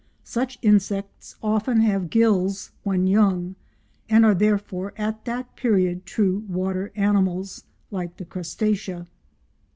Such insects often have gills when young, and are therefore at that period true water animals, like the Crustacea.